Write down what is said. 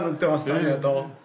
ありがとう。